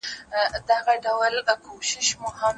دا قضاوت یې په سپېڅلي زړه منلای نه سو